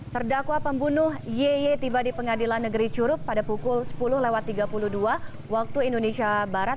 terdakwa pembunuh yeye tiba di pengadilan negeri curug pada pukul sepuluh tiga puluh dua waktu indonesia barat